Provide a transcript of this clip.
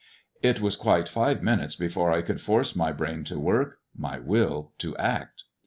It was quite five minutes before I could force my brain to work, my will to act.